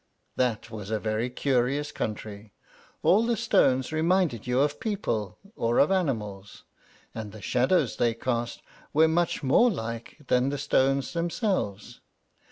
That was a very curious country; all the stones reminded you of people or of animals, and the shadows that they cast were much more like than the stones themselves.